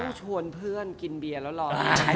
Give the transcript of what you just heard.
ต้องชวนเพื่อนกินเบียนแล้วร้อน